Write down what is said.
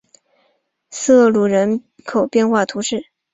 瑟卢人口变化图示